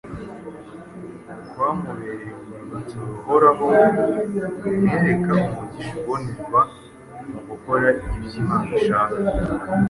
kwamubereye urwibutso ruhoraho rumwereka umugisha ubonerwa mu gukora ibyo Imana ishaka.